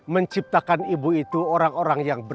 menciptakan ibu itu orang orang yang berbeda